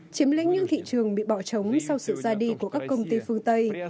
chiếm lĩnh những thị trường bị bỏ trống sau sự ra đi của các công ty phương tây